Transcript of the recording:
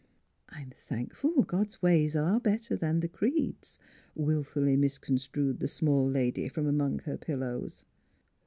" I'm thankful God's ways are better than the creeds," willfully misconstrued the small lady from amongst her pillows.